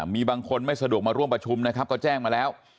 มีบางคนไม่สะดวกมาร่วมประชุมนะครับก็แจ้งมาแล้ว